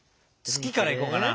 「月」からいこうかな。